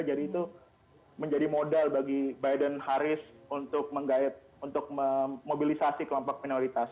jadi itu menjadi modal bagi biden harris untuk menggait untuk memobilisasi kelompok minoritas